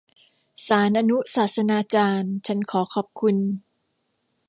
ศาลอนุศาสนาจารย์ฉันขอขอบคุณ